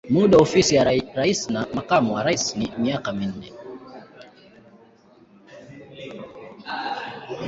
Muda wa ofisi ya rais na makamu wa rais ni miaka minne.